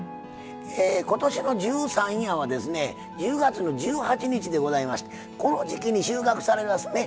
今年の十三夜はですね１０月の１８日でございましてこの時期に収穫されますね